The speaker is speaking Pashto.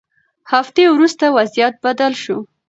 هفتې وروسته وضعیت بدل شو.